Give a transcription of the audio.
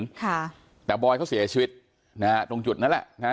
ค่ะแต่บอยเขาเสียชีวิตนะฮะตรงจุดนั้นแหละนะฮะ